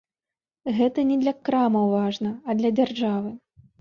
Гэта не для крамаў важна, а для дзяржавы.